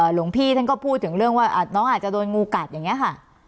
หลวงพี่ท่านก็พูดถึงเรื่องว่าน้องอาจจะโดนงูกัดอย่างนี้ค่ะ